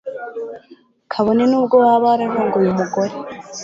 kabone n'ubwo waba wararongoye umugore